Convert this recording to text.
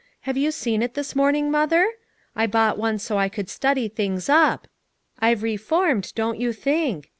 Have you seen it this morning, Mother? I bought one so I could study things up; I've reformed, don't you think.